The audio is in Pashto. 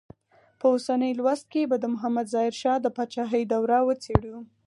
په اوسني لوست کې به د محمد ظاهر شاه د پاچاهۍ دوره وڅېړو.